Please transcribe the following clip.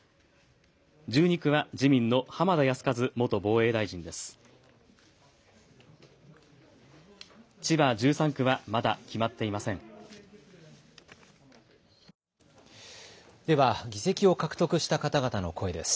１２区は自民の浜田靖一元防衛大臣です。